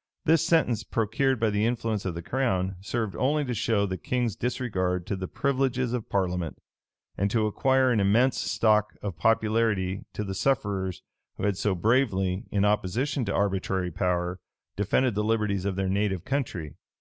[*] This sentence, procured by the influence of the crown, served only to show the king's disregard to the privileges of parliament, and to acquire an immense stock of popularity to the sufferers who had so bravely, in opposition to arbitrary power, defended the liberties of their native country.